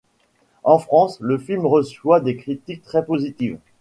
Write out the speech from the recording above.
En France, le film reçoit des critiques très positives.